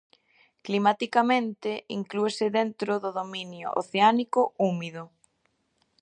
Climaticamente inclúese dentro do dominio oceánico húmido.